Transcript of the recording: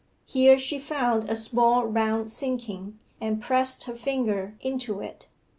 Here she found a small round sinking, and pressed her finger into it.